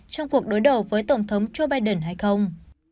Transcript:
trong cuộc đối đầu với tổng thống joe biden hay không